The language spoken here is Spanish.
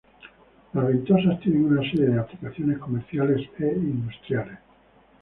Las ventosas tienen una serie de aplicaciones comerciales e industriales.